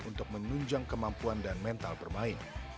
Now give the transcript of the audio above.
untuk menunjang kemampuan dan mental bermain